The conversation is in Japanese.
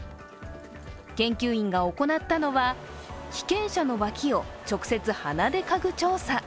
研究員が行ったのは、被験者の脇を直接、鼻で嗅ぐ調査。